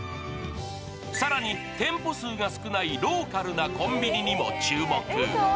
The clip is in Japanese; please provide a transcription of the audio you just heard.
更に店舗数が少ないローカルなコンビニにも注目。